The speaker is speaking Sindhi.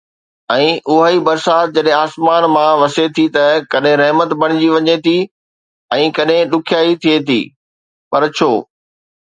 ۽ اها ئي برسات جڏهن آسمان مان وسي ٿي ته ڪڏهن رحمت بڻجي وڃي ٿي ۽ ڪڏهن ڏکيائي ٿئي ٿي، پر ڇو؟